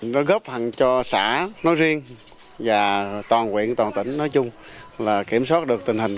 nó góp phần cho xã nói riêng và toàn quyện toàn tỉnh nói chung là kiểm soát được tình hình